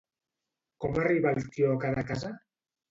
Com arriba el tió a cada casa?